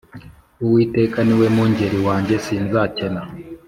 uwiteka niwe mungeri wanjye sinzakena